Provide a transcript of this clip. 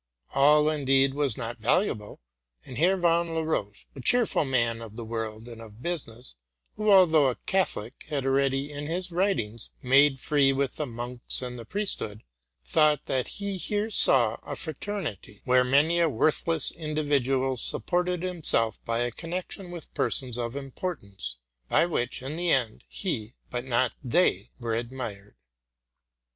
All, indeed, was not valuable; and Herr von Laroche, a cheerful man of the world and of business, who, although a Catholic, had already in his writings made free with the monks and priesthood, thought that he here saw a fraternity where many a worthless individual supported himself by a connection with persons of importance, by which, in the end, he, but not they, were ad mired.